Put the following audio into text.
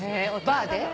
バーで？